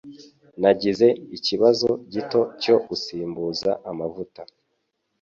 Nagize ikibazo gito cyo gusimbuza amavuta.